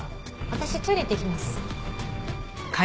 私トイレ行ってきます。